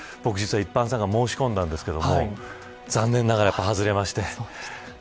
実は一般参賀に申し込んだんですが残念ながら外れまして。